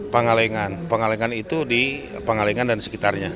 pengalengan pengalengan itu di pengalengan dan sekitarnya